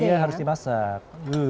iya harus dimasak